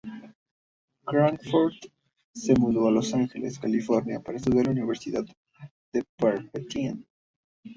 Crawford se mudó a Los Ángeles, California para estudiar en la Universidad de Pepperdine.